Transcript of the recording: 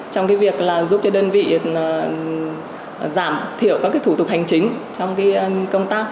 trong cái việc là giúp cho đơn vị giảm thiểu các cái thủ tục hành chính trong cái công tác